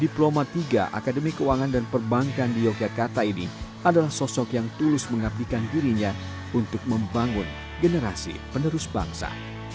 diploma tiga akademi keuangan dan perbankan di yogyakarta ini adalah sosok yang tulus mengabdikan dirinya untuk membangun generasi penerus bangsa